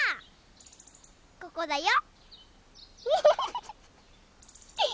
ここだよ！